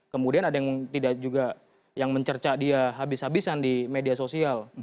kemudian ada yang tidak juga yang mencerca dia habis habisan di media sosial